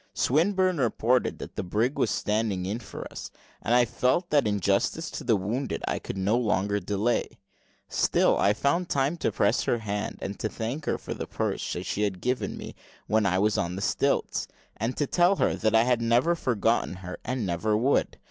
Swinburne reported that the brig was standing in for us, and I felt that in justice to the wounded I could no longer delay. Still I found time to press her hand, to thank her for the purse she had given me when I was on the stilts, and to tell her that I had never forgotten her, and never would.